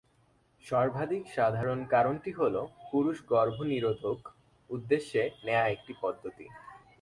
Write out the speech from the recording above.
সর্বাধিক সাধারণ কারণটি হল পুরুষ গর্ভনিরোধক উদ্দেশ্যে নেয়া একটি পদ্ধতি।